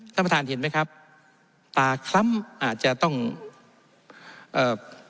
ท่านประธานเห็นไหมครับตาคล้ำอาจจะต้องเอ่อ